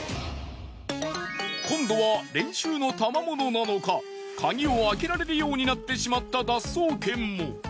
今度は練習のたまものなのか鍵を開けられるようになってしまった脱走犬も。